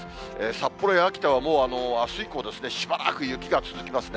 札幌や秋田はもう、あす以降、しばらく雪が続きますね。